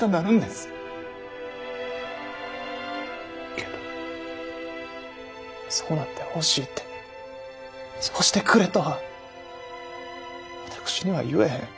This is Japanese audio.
けどそうなってほしいてそうしてくれとは私には言えへん。